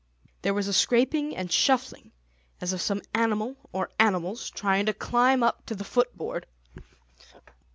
'There was a scraping and shuffling as of some animal or animals trying to climb up to the footboard.